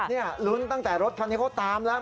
นี่ลุ้นตั้งแต่รถคันนี้เขาตามแล้ว